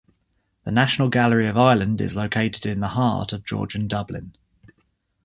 The National Gallery of Ireland is located in the heart of Georgian Dublin.